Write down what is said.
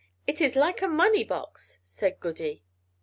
It is like a money box!" said Goody.